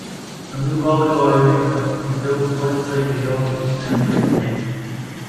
A new volleyball arena was to be built west of the Yoyogi National Gymnasium.